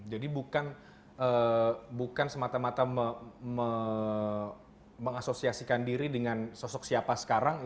jadi bukan semata mata mengasosiasikan diri dengan sosok siapa sekarang